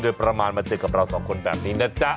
โดยประมาณมาเจอกับเราสองคนแบบนี้นะจ๊ะ